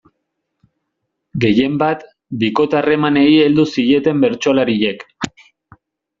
Gehienbat, bikote-harremanei heldu zieten bertsolariek.